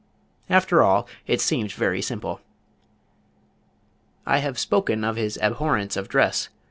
After all it seemed very simple. I have spoken of his abhorrence of dress.